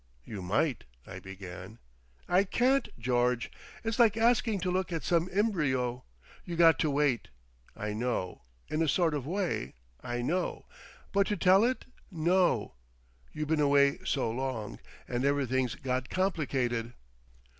"You might," I began. "I can't, George. It's like asking to look at some embryo. You got to wait. I know. In a sort of way, I know. But to tell it—No! You been away so long. And everything's got complicated."